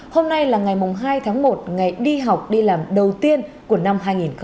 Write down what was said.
hôm nay là ngày hai tháng một ngày đi học đi làm đầu tiên của năm hai nghìn hai mươi